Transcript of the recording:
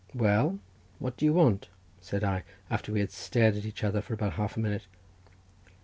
"Well, what do you want?" said I, after we had stared at each other about half a minute.